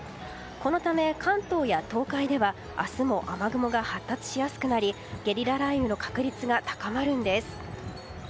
このため、関東や東海では明日も雨雲が発達しやすくなりゲリラ雷雨の確率が高まるんです。